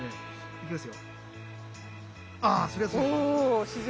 いきます。